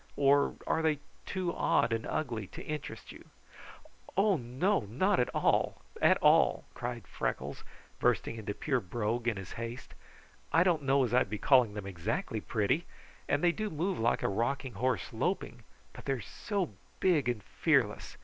Or are they too odd and ugly to interest you?" "Oh, not at all, at all!" cried Freckles, bursting into pure brogue in his haste. "I don't know as I'd be calling them exactly pretty, and they do move like a rocking horse loping, but they are so big and fearless.